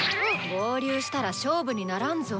合流したら勝負にならんぞ。